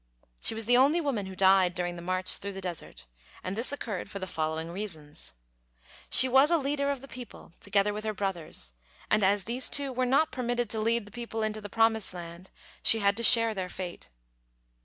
She was the only woman who died during the march through the desert, and this occurred for the following reasons. She was a leader of the people together with her brothers, and as these two were not permitted to lead the people into the promised land, she had to share their fate.